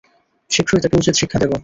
শীঘ্রই ওকে উচিত শিক্ষা দেবো!